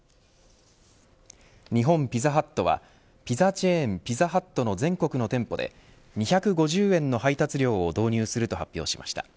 日本ピザハットはピザチェーンピザハットの全国の店舗で２５０円の配達料を導入すると発表しました。